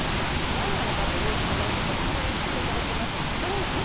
何なのかというところちょっと説明させていただきます。